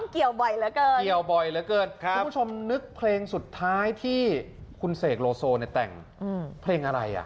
ข้องเกี่ยวบ่อยเหลือเกินคุณผู้ชมนึกเพลงสุดท้ายที่คุณเสกโลโซในแต่งเพลงอะไร